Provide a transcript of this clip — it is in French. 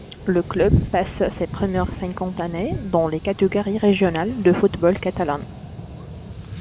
Le club passe ses premières cinquante années dans les catégories régionales du football catalan.